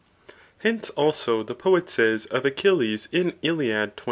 Hence, alao, the pott io^ [of Achilles in Iliad, 29.